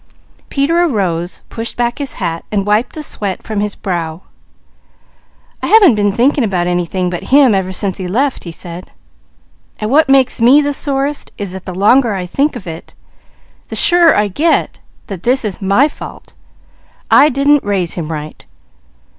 Peter arose, pushed back his hat and wiped the sweat from his brow. "I haven't been thinking about anything but him ever since he left," he said, "and what makes me the sorest is that the longer I think of it, the surer I get that this is my fault. I didn't raise him right!"